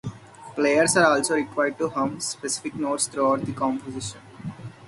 Players are also required to hum specific notes throughout the composition.